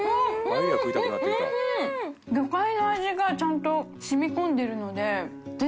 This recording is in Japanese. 複截腺邸魚介の味がちゃんと染み込んでるので漢